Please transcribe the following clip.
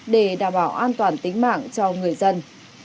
để đảm bảo an toàn tính mạng cho người dân